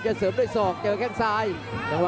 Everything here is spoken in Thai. จริงครับ